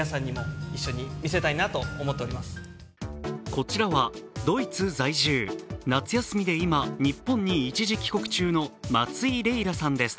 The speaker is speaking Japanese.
こちらはドイツ在住、夏休みで今日本に一時帰国中の松井レイラさんです。